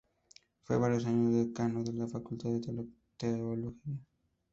Fue varios años Decano de la Facultad de Teología.